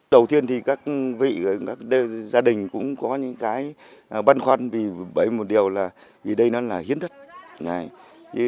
đầu tiên thì các vị các gia đình cũng có những cái băn khoăn vì bởi một điều là vì đây nó là hiến thất